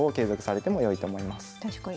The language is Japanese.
確かに。